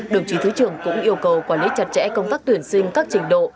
đồng chí thứ trưởng cũng yêu cầu quản lý chặt chẽ công tác tuyển sinh các trình độ